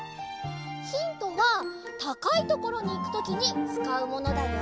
ヒントはたかいところにいくときにつかうものだよ。